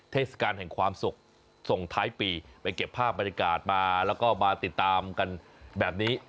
เทศกาลแห่งความสุขส่งท้ายปีไปเก็บภาพบรรยากาศมาแล้วก็มาติดตามกันแบบนี้